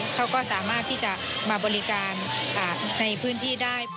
เขาก็สามารถที่จะมาบริการในพื้นที่ได้